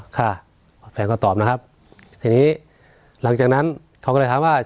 ค่ะแฟนก็ตอบนะครับทีนี้หลังจากนั้นเขาก็เลยถามว่า